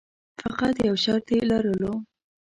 فقط یو شرط یې لرلو.